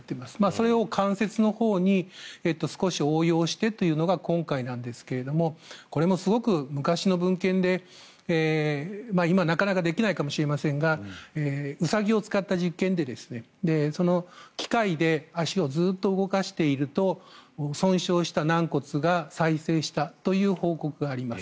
それを関節のほうに少し応用してというのが今回なんですがこれもすごく昔の文献で今、なかなかできないかもしれませんがウサギを使った実験で機械で足をずっと動かしていると損傷した軟骨が再生したという報告があります。